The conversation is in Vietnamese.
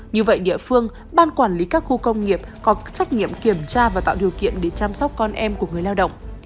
như vậy địa phương ban quản lý các khu công nghiệp có trách nhiệm kiểm tra và tạo điều kiện để chăm sóc con em của người lao động